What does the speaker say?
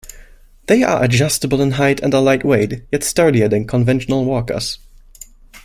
They are adjustable in height and are light-weight, yet sturdier than conventional walkers.